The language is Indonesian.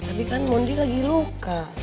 tapi kan mondi lagi luka